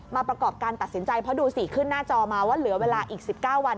ประกอบการตัดสินใจเพราะดูสิขึ้นหน้าจอมาว่าเหลือเวลาอีก๑๙วัน